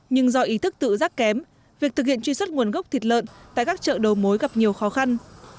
nhưng do ý thức tự giác kém việc thực hiện truy xuất nguồn gốc thịt lợn tại các chợ đầu mối gặp nhiều khó khăn